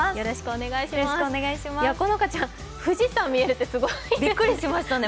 好花ちゃん、富士山見えるってすごい。びっくりしましたね。